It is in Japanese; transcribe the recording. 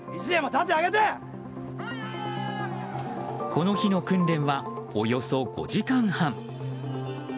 この日の訓練はおよそ５時間半。